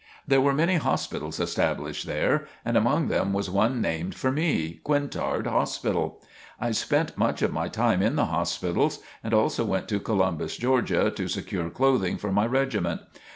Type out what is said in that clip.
There were many hospitals established there and among them was one named for me, "Quintard Hospital." I spent much of my time in the hospitals, and also went to Columbus, Georgia, to secure clothing for my regiment.